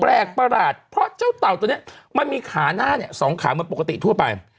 แปลกประหลาดเพราะเจ้าเต่าตัวเนี่ยมันมีขาหน้าเนี่ย๒ขามันปกติทั่วไป